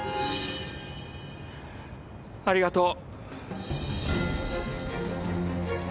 ありがとう。